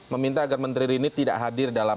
meminta agar menteri rini tidak hadir dalam